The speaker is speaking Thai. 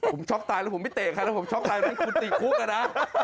ผมช็อกตายแล้วผมไม่เต่ใครแล้วผมช็อกตายแล้วให้คุณติดคุกอะนะ